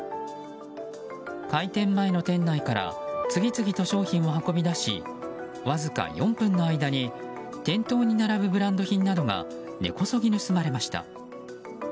開店前の店内から次々と商品を運び出しわずか４分の間に店頭に並ぶブランド品などが根こそぎ盗まれました。